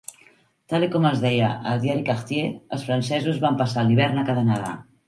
Tal i com es deia al diari Cartier, els francesos van passar l"hivern a Canadà.